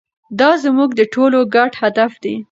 دا زموږ د ټولو ګډ هدف دی.